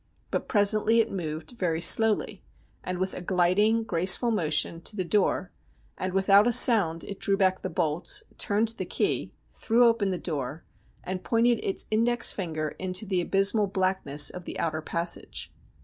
But presently it moved very slowly, and with a gliding, graceful motion, to the door, and without a sound it drew back the bolts, turned the key, threw open the door, and pointed its index finger into the abysmal blackness of the outer passage.